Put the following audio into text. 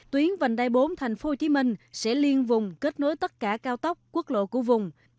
tuyến vành đai bốn thành phố hồ chí minh sẽ liên vùng kết nối tất cả cao tốc quốc lộ của vùng